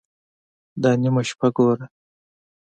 _دا نيمه شپه ګوره!